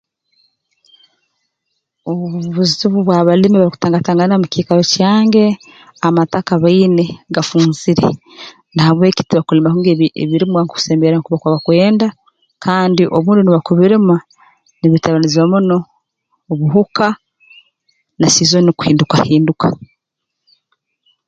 Obubuzibu obu abalimi bakutangatangana mu kiikaro kyange amataka baine gafunzire na habweki tibakulima kurungi ebi ebirimwa kusemerra nkooku bakwenda kandi obundi noobu bakubirima nibitalibanizibwa muno obuhuka na siizoni kuhindukahinduka